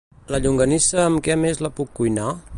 La llonganissa amb què més la puc cuinar?